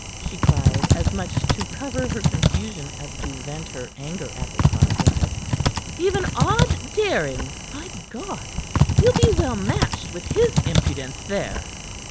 she cried, as much to cover her confusion as to vent her anger at the cause of it. "Ye've an odd daring, by God! Ye'll be well matched with his impudence, there."